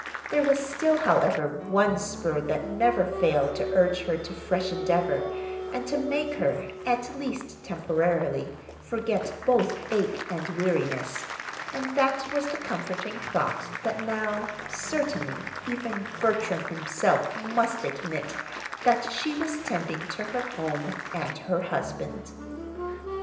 There was still, however, one spur that never failed to urge her to fresh endeavor, and to make her, at least temporarily, forget both ache and weariness; and that was the comforting thought that now, certainly, even Bertram himself must admit that she was tending to her home and her husband.